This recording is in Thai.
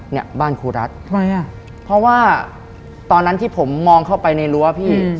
เนี่ยบ้านครูรัฐทำไมอ่ะเพราะว่าตอนนั้นที่ผมมองเข้าไปในรั้วพี่